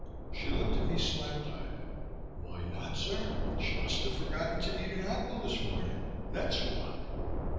She looked at me slant eyed. "Why not, sir? She must have forgotten to eat an apple this morning. That's why."